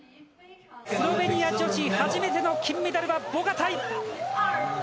スロベニア女子、初めての金メダルはボガタイ。